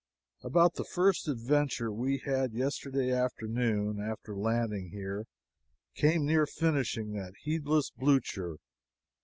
About the first adventure we had yesterday afternoon, after landing here, came near finishing that heedless Blucher.